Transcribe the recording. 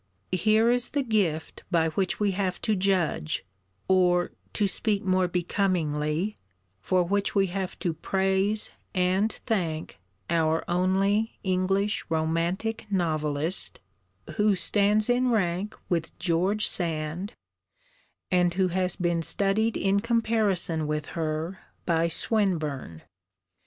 Here is the gift by which we have to judge, or, to speak more becomingly, for which we have to praise and thank, our only English 'Romantic' novelist, who stands in rank with George Sand, and who has been studied in comparison with her by Swinburne.